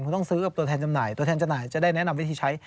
คุณต้องซื้อกับตัวแทนจำหน่ายตัวแทนจำหน่ายจะได้แนะนำวิธีใช้